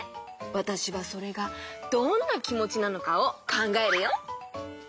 わたしはそれがどんなきもちなのかをかんがえるよ。